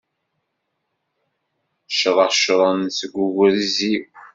Cṛecṛen seg ugrez-iw.